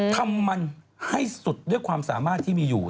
ทำมันให้สุดด้วยความสามารถที่มีอยู่